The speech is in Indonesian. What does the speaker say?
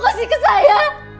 kasih ke saya